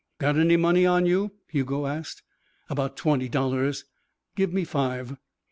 "Got any money on you?" Hugo asked. "About twenty dollars." "Give me five."